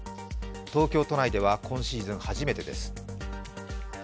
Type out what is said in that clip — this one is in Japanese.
東京都内では今シーズン初めてです。